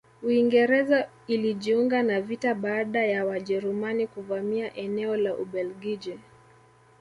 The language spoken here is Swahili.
Uingereza ilijiunga na vita baada ya Wajerumani kuvamia eneo la Ubelgiji